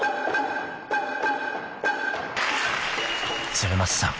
［鶴松さん